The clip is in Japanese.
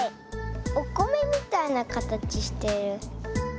おこめみたいなかたちしてる。